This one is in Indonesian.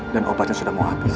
dan obatnya sudah mau habis